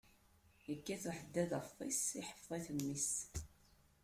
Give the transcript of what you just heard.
Ikkat uḥeddad afḍis, iḥfeḍ-it mmi-s.